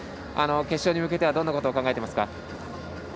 決勝に向けてはどんなことを考えていますか？